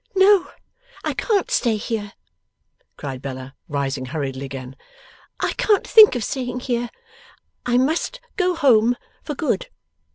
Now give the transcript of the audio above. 'No, I can't stay here,' cried Bella, rising hurriedly again; 'I can't think of staying here. I must go home for good.